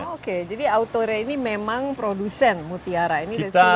oke jadi autoreit ini memang produsen mutiara